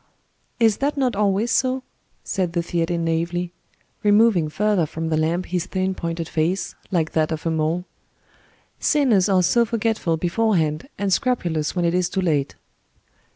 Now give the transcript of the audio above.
"Is that not always so?" said the Theatin naively, removing further from the lamp his thin pointed face, like that of a mole. "Sinners are so forgetful beforehand, and scrupulous when it is too late."